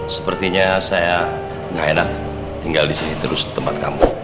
sepertinya saya gak enak tinggal disini terus tempat kamu